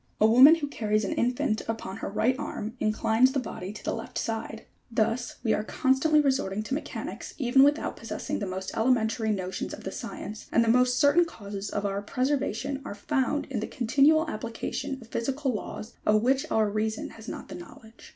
A woman who carries an infant upon her right arm inclines the body to the left side : thus, we are constantly resorting to mechanics, even without possessing the most elementary notions of the science, and the most certain causes of our preservation are found hi the continual application of physical laws, of which our reason has not the knowledge.